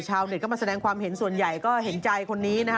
ชาวเน็ตก็มาแสดงความเห็นส่วนใหญ่ก็เห็นใจคนนี้นะฮะ